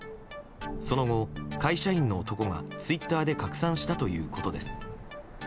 その後、会社員の男がツイッターで拡散したということです。